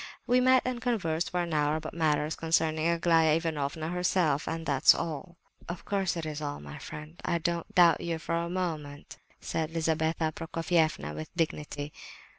We met and conversed for an hour about matters concerning Aglaya Ivanovna herself, and that's all." "Of course it is all, my friend. I don't doubt you for a moment," said Lizabetha Prokofievna with dignity.